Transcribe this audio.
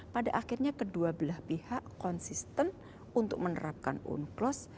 pada akhirnya kedua belah pihak konsisten untuk menerapkan unclos